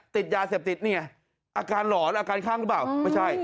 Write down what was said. ติดยาเสพติดนี่ไงอาการหลอนอาการข้างหรือเปล่าไม่ใช่